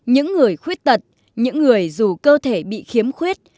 những người khuyết tật những người dù cơ thể bị khiếm khuyết